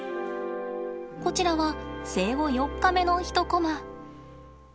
こちらは生後４日目の一コマ。